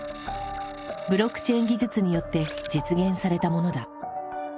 ブロックチェーン技術によって実現されたものだ。